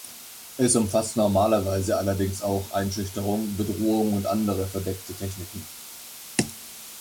Es umfasst normalerweise allerdings auch Einschüchterung, Bedrohung und andere verdeckte Techniken.